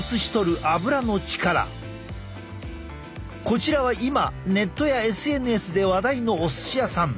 こちらは今ネットやＳＮＳで話題のお寿司屋さん。